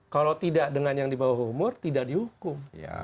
kalau tidak dengan yang di bawah umur tidak dihukum